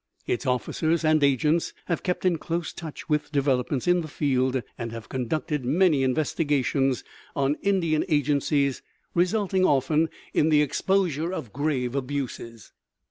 Its officers and agents have kept in close touch with developments in the field, and have conducted many investigations on Indian agencies, resulting often in the exposure of grave abuses.